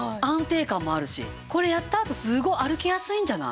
これやったあとすごい歩きやすいんじゃない？